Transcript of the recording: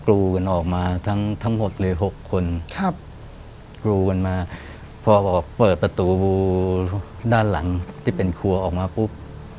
กรูกันออกมาทั้งหมดเลย๖คนครับกรูกันมาพอบอกเปิดประตูด้านหลังที่เป็นครัวออกมาปุ๊บ